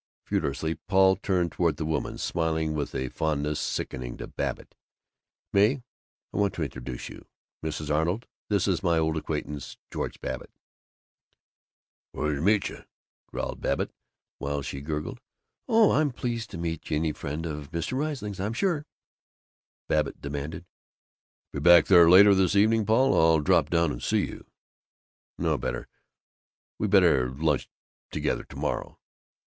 Furiously Paul turned toward the woman, smiling with a fondness sickening to Babbitt. "May! Want to introduce you. Mrs. Arnold, this is my old acquaintance, George Babbitt." "Pleasmeech," growled Babbitt, while she gurgled, "Oh, I'm very pleased to meet any friend of Mr. Riesling's, I'm sure." Babbitt demanded, "Be back there later this evening, Paul? I'll drop down and see you." "No, better We better lunch together to morrow."